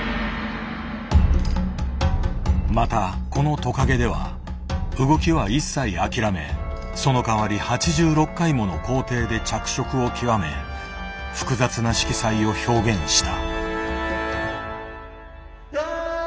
またこのトカゲでは動きは一切諦めそのかわり８６回もの工程で着色を極め複雑な色彩を表現した。